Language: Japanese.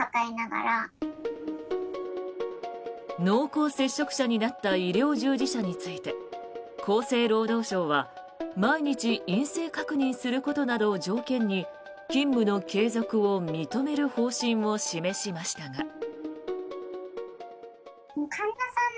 濃厚接触者になった医療従事者について厚生労働省は毎日、陰性確認することなどを条件に勤務の継続を認める方針を示しましたが。